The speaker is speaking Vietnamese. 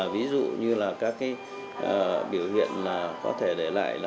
ví dụ như là các biểu hiện có thể để lại